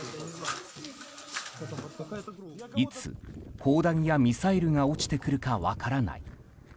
いつ砲弾やミサイルが落ちてくるか分からない。